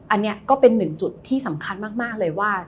อันนี้ก็เป็นหนึ่งจุดที่สำคัญมากเลยว่า